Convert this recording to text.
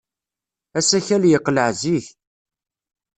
Asakal yeqleɛ zik.